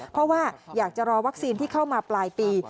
เพราะว่าอยากจะรอวัคซีนที่เข้ามาปลายปี